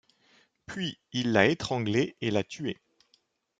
Puis il l'a étranglée et l'a tuée.